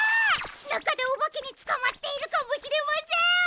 なかでおばけにつかまっているかもしれません！